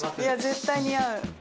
絶対似合う。